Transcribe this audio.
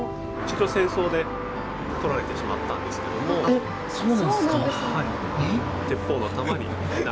えっそうなんですか？